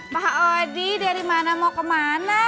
pak odi dari mana mau ke mana